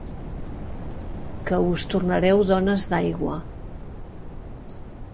...que us tornareu dones d'aigua.